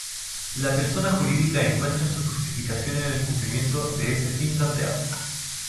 La persona jurídica encuentra su justificación en el cumplimiento de ese fin planteado.